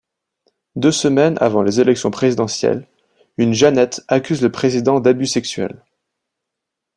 Deux semaines avant les élections présidentielles, une Janette accuse le président d'abus sexuel.